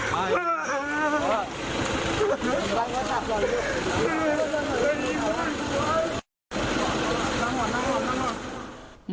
ใครยังกลับ